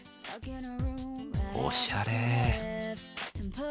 おしゃれ。